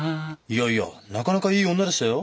いやいやなかなかいい女でしたよ。